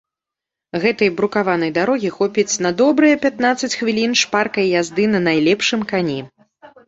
Гэтай брукаванай дарогі хопіць на добрыя пятнаццаць хвілін шпаркай язды на найлепшым кані.